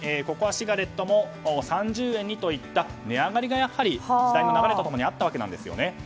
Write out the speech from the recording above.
ココアシガレットも３０円にといった値上がりがやはり時代の流れと共にあったわけなんですよね。